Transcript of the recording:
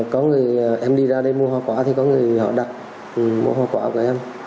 có người em đi ra đây mua hoa quả thì có người họ đặt mua hoa quả của em